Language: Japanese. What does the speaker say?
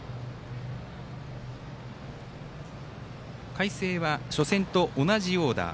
海星は初戦と同じオーダー。